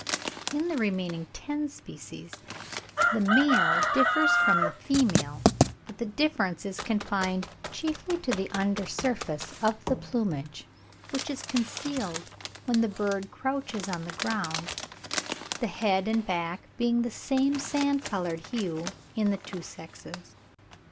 In the remaining ten species, the male differs from the female; but the difference is confined chiefly to the under surface of the plumage, which is concealed when the bird crouches on the ground; the head and back being of the same sand coloured hue in the two sexes.